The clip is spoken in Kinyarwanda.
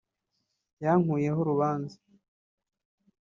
Yankuyeho Urubanza